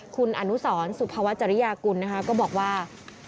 คุณอนุสรสุภวัชริยากุลนะคะก็บอกว่า